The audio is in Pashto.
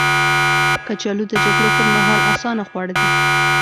کچالو د جګړو پر مهال اسانه خواړه دي